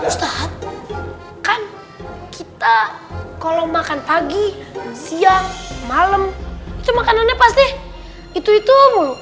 ustaz kan kita kalo makan pagi siang malam itu makanannya pasti itu itu omu